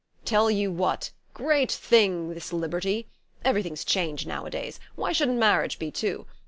"Tell you what, great thing, this liberty! Everything's changed nowadays; why shouldn't marriage be too?